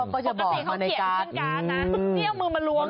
ก็จะบอกมาในการ์ดนะ